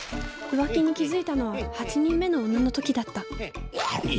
浮気に気付いたのは８人目の女の時だった。